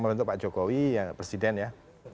membentuk pak jokowi ya presiden ya